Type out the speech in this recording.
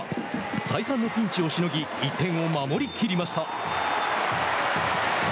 再三のピンチをしのぎ１点を守り切りました。